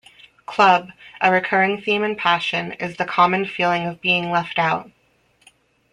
Club, a recurring theme in "Passion" is "the common feeling of being left out".